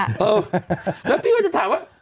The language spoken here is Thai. เออแล้วพี่ก็จะถามว่า